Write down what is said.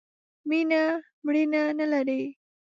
مینه ، مړینه نه لري.